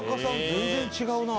全然違うな」